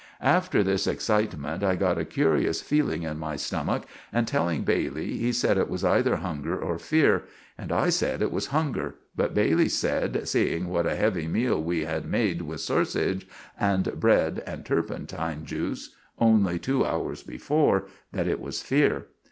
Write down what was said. After this eksitement I got a curious feeling in my stomach, and telling Bailey, he sed it was either hunger or fear. And I sed it was hunger; but Bailey sed, seeing what a hevy meal we had made with sorsage and bred and turpentine juice only two hours before, that it was fear.